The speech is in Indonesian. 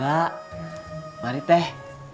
ba mari teh